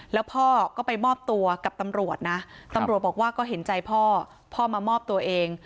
แล้วพ่อก็ไปมอบตัวกับตำรวจนะตำรวจบอกว่าก็เห็นใจพ่อพ่อมามอบตัวเอง